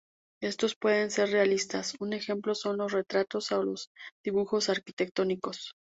Estos pueden ser realistas: un ejemplo son los retratos o los dibujos arquitectónicos.